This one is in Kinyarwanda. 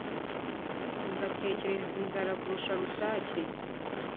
ugatereka inzara kurusha rusake